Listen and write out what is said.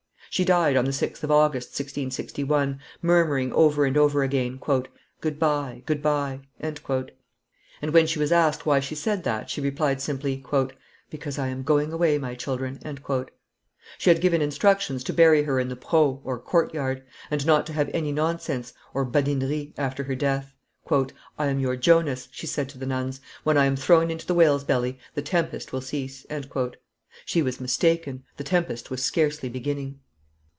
She died on the 6th of August, 1661, murmuring over and over again, "Good by; good by!" And, when she was asked why she said that, she replied simply, "Because I am going away, my children." She had given instructions to bury her in the preau (court yard), and not to have any nonsense (badineries) after her death. "I am your Jonas," she said to the nuns; "when I am thrown into the whale's belly the tempest will cease." She was mistaken; the tempest was scarcely beginning.